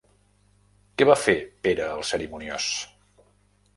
Què va fer Pere el Cerimoniós?